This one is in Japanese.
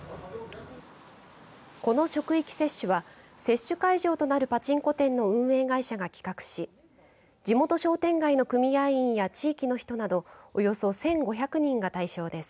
この職域接種は接種会場となるパチンコ店の運営会社が企画し地元商店街の組合員や地域の人などおよそ１５００人が対象です。